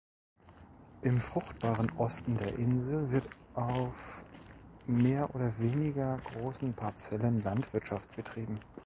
Im fruchtbaren Osten der Insel wird auf mehr oder weniger großen Parzellen Landwirtschaft betrieben.